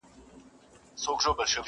پر تورو رباتونو قافلې دي چي راځي!.